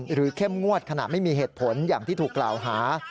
เข้มงวดขณะไม่มีเหตุผลอย่างที่ถูกกล่าวหา